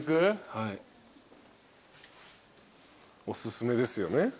おすすめですよね？